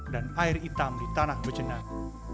dan air hitam di tanah becenang